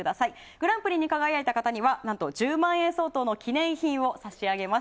グランプリに輝いた方には何と１０万円相当の記念品を差し上げます。